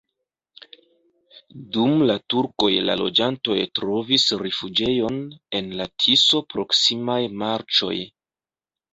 Dum la turkoj la loĝantoj trovis rifuĝejon en la Tiso-proksimaj marĉoj.